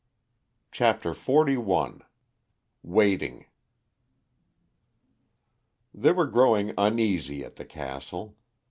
CHAPTER XLI WAITING They were growing uneasy at the castle.